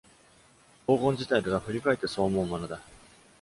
黄金時代とは振り返ってそう思うものだ。